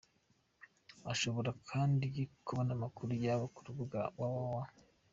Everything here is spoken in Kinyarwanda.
Ushobora kandi kubona amakuru yabo ku rubuga www.